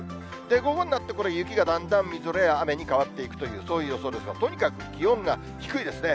午後になってこの雪がだんだんみぞれや雨に変わっていくというそういう予想ですが、気温が低いですね。